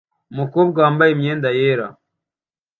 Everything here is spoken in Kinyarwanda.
Umukobwa wambaye imyenda yera